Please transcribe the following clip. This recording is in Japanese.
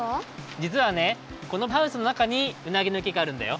じつはねこのハウスのなかにうなぎの池があるんだよ。